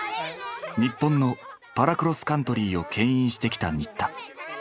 日本のパラクロスカントリーをけん引してきた新田